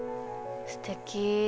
すてき。